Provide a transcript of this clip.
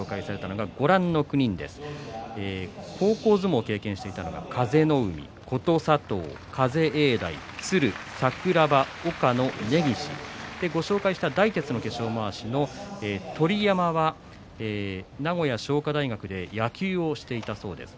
高校相撲を経験したのが風の湖琴佐藤、風栄大、鶴、櫻庭岡野、根岸そしてご紹介した大徹の化粧まわしの鳥山は名古屋商科大学で野球をしていたそうです。